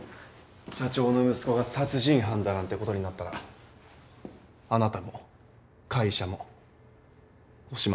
社長の息子が殺人犯だなんてことになったらあなたも会社もおしまいだ。